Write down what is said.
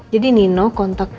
jadi nino kontakkan